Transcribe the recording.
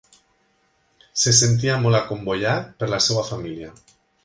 Se sentia molt acomboiat per la seva família.